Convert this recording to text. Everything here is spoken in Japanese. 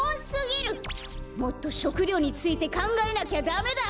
もっと食料についてかんがえなきゃダメだ！